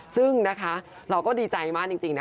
ซึ่งนะคะเราก็ดีใจมากจริงนะคะ